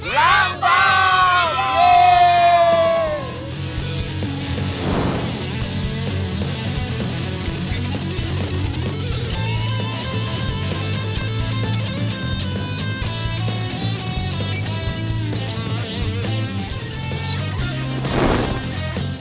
ร้านบ้าน